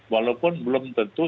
walaupun belum tentu